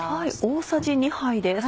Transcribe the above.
大さじ２杯です。